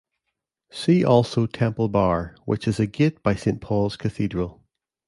See also Temple Bar which is a gate by Saint Paul's Cathedral.